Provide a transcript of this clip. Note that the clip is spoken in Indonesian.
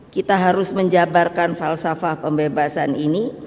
kita harus menjabarkan falsafah pembebasan ini